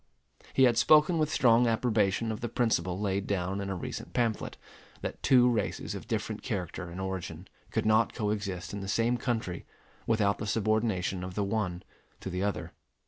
He had spoken with strong approbation of the principle laid down in a recent pamphlet, that two races of different character and origin could not coexist in the same country without the subordination of the one to the other.